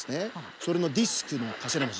それのディスクのかしらもじＤ！